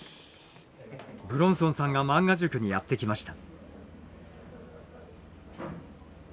武論尊さんが漫画塾にやって来ました。